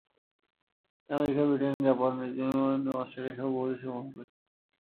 তিনি America, Britain, Japan, France, Germany, Italy, Australia সহ বহু দেশ ভ্রমণ করেছেন।